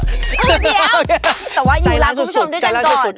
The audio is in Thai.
แต่ว่ายอมรับคุณผู้ชมด้วยกันก่อน